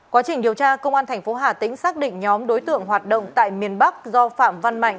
quá trình điều tra công an tp hà tĩnh xác định nhóm đối tượng hoạt động tại miền bắc do phạm văn mạnh